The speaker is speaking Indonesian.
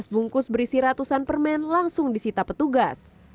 dua belas bungkus berisi ratusan permen langsung disita petugas